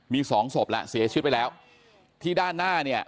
มีสองศพแล้วเสียชีวิตไปแล้วที่ด้านหน้าเนี่ย